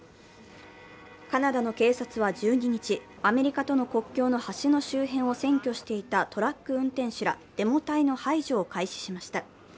カナダの警察は１２日、アメリカとの国境の橋周辺を占拠していたトラック運転手らデモ隊の排除を開始しました。